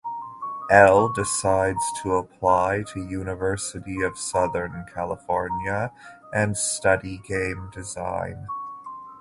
Elle decides to apply to University of Southern California and study game design.